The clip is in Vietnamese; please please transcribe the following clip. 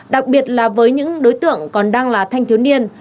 đặc biệt là với những đối tượng còn đang là thanh thiếu niên